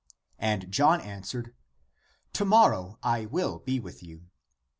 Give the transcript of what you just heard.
And John an swered, " To morrow I will be with you."